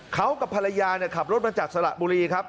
เขากับภรรยาขับรถมาจากสระบุรีครับ